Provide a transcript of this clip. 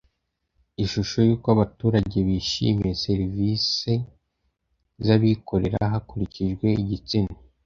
Ishusho y Uko abaturage bishimiye serivisi z abikorera hakurikijwe igitsina